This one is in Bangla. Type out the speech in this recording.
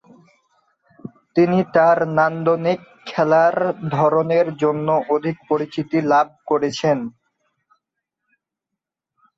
তিনি তার নান্দনিক খেলার ধরনের জন্য অধিক পরিচিতি লাভ করেছেন।